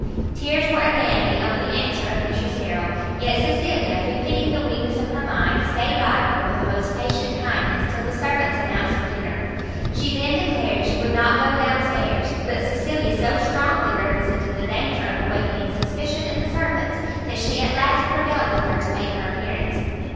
Tears were again the only answer of Mrs Harrel; yet Cecilia, who pitied the weakness of her mind, stayed by her with the most patient kindness till the servants announced dinner. She then declared she would not go down stairs; but Cecilia so strongly represented the danger of awakening suspicion in the servants, that she at last prevailed with her to make her appearance.